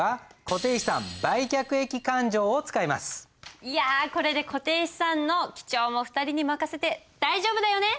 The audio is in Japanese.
逆にいやこれで固定資産の記帳も２人に任せて大丈夫だよね？